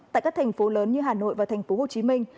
tại các thành phố lớn như hà nội và thành phố hồ chí minh